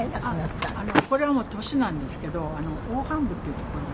これはもう年なんですけど黄斑部っていう所が。